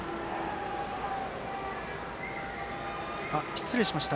失礼しました。